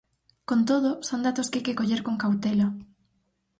Con todo, son datos que hai que coller con cautela.